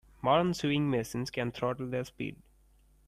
Modern sewing machines can throttle their speed.